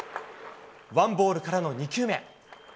ワンボールからの２球目。